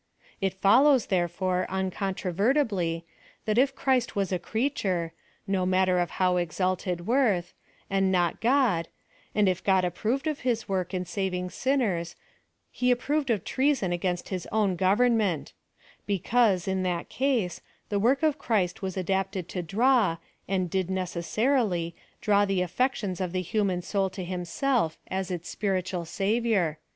It follows, therefore, micontrovertibly, tliat if Christ was a creature — no matter of how exalted worth— and not God; and if God approved of his work in saving sinners, he approved of treason against his own government ; because, in that case, the work of Christ was adapt ed to draw, and did necessarily, draw the affections of thchum xn soul to himself, as its spiritual Savior.